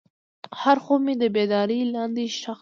هر خوب مې د بیدارۍ لاندې ښخ شو.